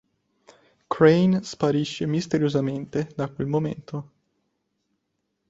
Crane sparisce "misteriosamente" da quel momento.